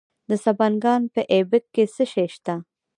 د سمنګان په ایبک کې څه شی شته؟